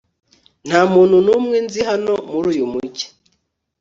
nta muntu n'umwe nzi hano muri uyu mujyi